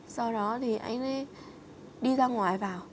sau đó thì anh ấy đi ra ngoài vào